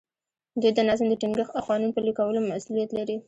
دوی د نظم د ټینګښت او قانون پلي کولو مسوولیت لري.